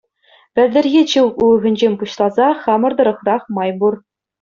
Пӗлтӗрхи чӳк уйӑхӗнчен пуҫласа хамӑр тӑрӑхрах май пур.